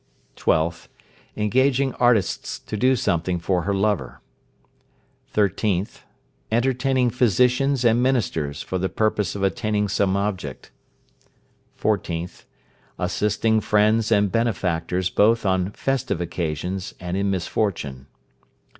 12th. Engaging artists to do something for her lover. 13th. Entertaining physicians and ministers for the purpose of attaining some object. 14th. Assisting friends and benefactors both on festive occasions, and in misfortune.